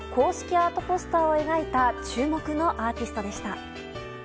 アートポスターを描いた注目のアーティストでした。